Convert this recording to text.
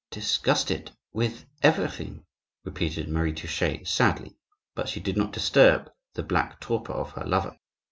"Disgusted with everything!" repeated Marie Touchet, sadly; but she did not disturb the black torpor of her lover.